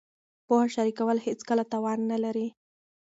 پوهه شریکول هېڅکله تاوان نه لري.